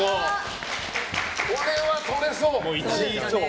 これは、とれそう。